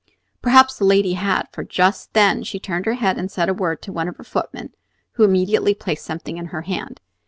Perhaps the lady had; for just then she turned her head and said a word to one of her footmen, who immediately placed something in her hand.